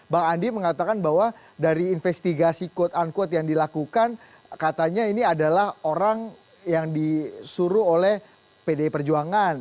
bang andi mengatakan bahwa dari investigasi quote unquote yang dilakukan katanya ini adalah orang yang disuruh oleh pdi perjuangan